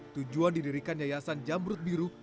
tujuan didirikan yayasan jamrut biru